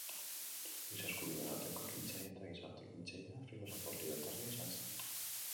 Giza eskubideen aldeko ekintzaile eta gizarte-ekintzailea, filosofo libertarioa izan zen.